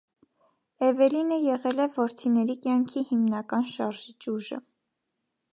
Էվելինը եղել է որդիների կյանքի հիմնական շարժիչ ուժը։